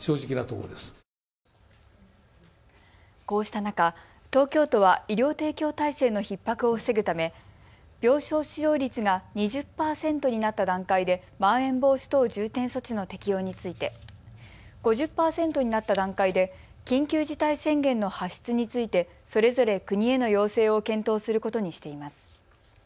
こうした中、東京都は医療提供体制のひっ迫を防ぐため病床使用率が２０％になった段階で、まん延防止等重点措置の適用について、５０％になった段階で緊急事態宣言の発出についてそれぞれ国への要請を検討することにしています。